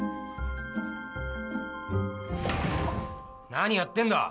何やってんだ！